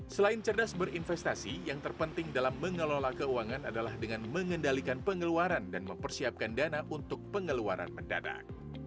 selain cerdas berinvestasi yang terpenting dalam mengelola keuangan adalah dengan mengendalikan pengeluaran dan mempersiapkan dana untuk pengeluaran mendadak